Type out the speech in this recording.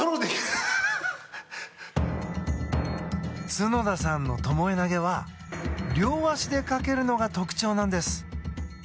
角田さんのともえ投げは両足でかけるのが特徴なんです。